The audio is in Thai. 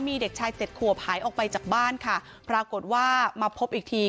มีเด็กชายเจ็ดขวบหายออกไปจากบ้านค่ะปรากฏว่ามาพบอีกที